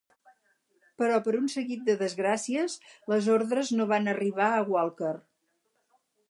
Però per un seguit de desgràcies, les ordres no van arribar a Walker.